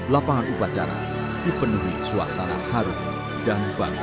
lapangan upacara dipenuhi suasana harum dan bangga